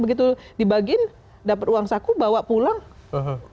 begitu dibagiin dapat uang saku bawa pulang